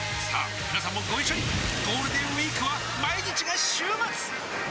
みなさんもご一緒にゴールデンウィークは毎日が週末！